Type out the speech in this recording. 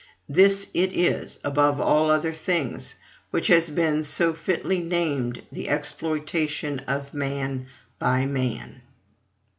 This it is, above all other things, which has been so fitly named the exploitation of man by man.